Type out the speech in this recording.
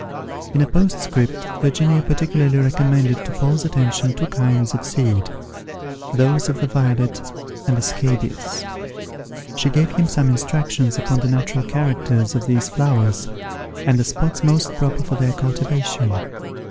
In a postscript, Virginia particularly recommended to Paul's attention two kinds of seed, those of the violet and the scabious. She gave him some instructions upon the natural characters of these flowers, and the spots most proper for their cultivation.